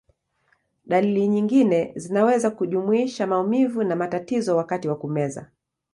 Dalili nyingine zinaweza kujumuisha maumivu na matatizo wakati wa kumeza.